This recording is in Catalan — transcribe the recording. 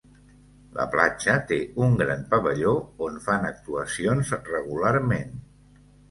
La platja té un gran pavelló on fan actuacions regularment.